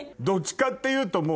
どっちかっていうと。